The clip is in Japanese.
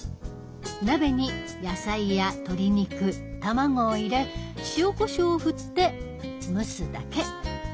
鍋に野菜や鶏肉卵を入れ塩こしょうを振って蒸すだけ。